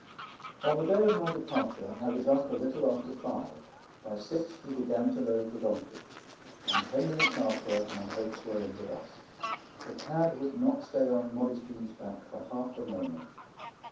On the day of my departure I was up a little after five; by six, we began to load the donkey; and ten minutes after my hopes were in the dust. The pad would not stay on Modestine's back for half a moment.